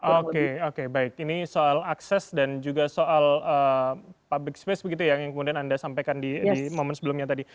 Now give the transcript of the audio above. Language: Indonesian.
oke oke baik ini soal akses dan juga soal public space begitu ya yang kemudian anda sampaikan di momen sebelumnya tadi